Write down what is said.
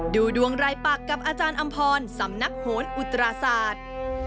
ดูดวงรายปักกับอาจารย์อำพรสำนักโหนอุตราศาสตร์